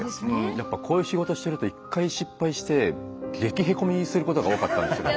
やっぱこういう仕事してると一回失敗して激へこみすることが多かったんですけど。